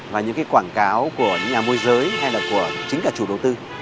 và những quảng cáo của những nhà môi giới hay là của chính cả chủ đầu tư